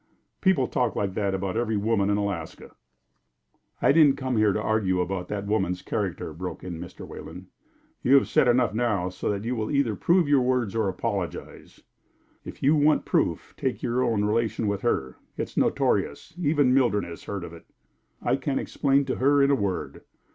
"People talk like that about nearly every woman in Alaska." "I didn't come here to argue about that woman's character," broke in Mr. Wayland. "You have said enough now, so that you will either prove your words or apologize." "If you want proof, take your own relation with her. It's notorious; even Mildred has heard of it." "I can explain to her in a word."